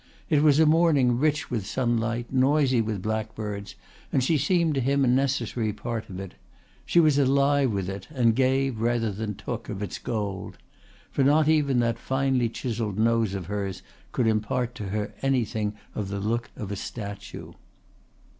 It was a morning rich with sunlight, noisy with blackbirds, and she seemed to him a necessary part of it. She was alive with it and gave rather than took of its gold. For not even that finely chiselled nose of hers could impart to her anything of the look of a statue.